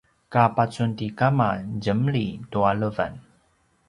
ka pacun ti kama djemli tua levan